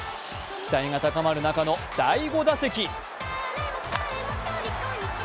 期待が高まる中の第５打席。